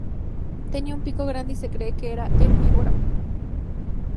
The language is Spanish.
Tenía un pico grande y se cree que era herbívora.